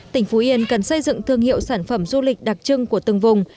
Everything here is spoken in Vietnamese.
tỉnh phú yên cần xây dựng thương hiệu sản phẩm du lịch đặc trưng của từng vùng